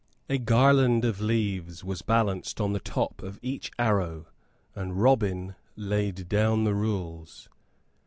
A garland of leaves was balanced on the top of each arrow, and Robin laid down the rules.